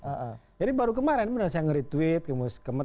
jadi baru kemarin saya nge retweet